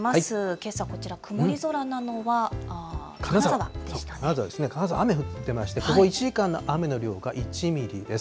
けさこちら、曇り空なのは、金沢、雨降ってまして、ここ１時間の雨の量が１ミリです。